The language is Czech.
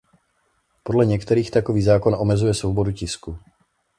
Podle některých takový zákon omezuje svobodu tisku.